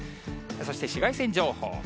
そして紫外線情報。